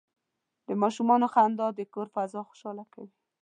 د ماشومانو خندا د کور فضا خوشحاله کوي.